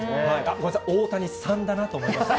ごめんなさい、大谷さんだなと思いました。